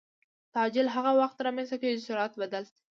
تعجیل هغه وخت رامنځته کېږي چې سرعت بدل شي.